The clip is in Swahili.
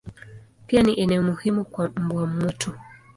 Pia ni eneo muhimu kwa mbwa mwitu.